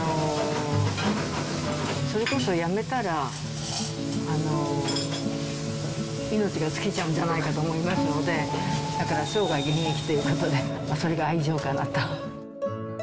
それこそやめたら、命が尽きちゃうんじゃないかと思いますので、だから生涯現役ということで、それが愛情かなと。